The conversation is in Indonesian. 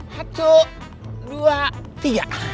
satu dua tiga